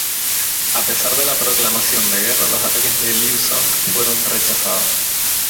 A pesar de la proclamación de guerra, los ataques de Liu Song fueron rechazados.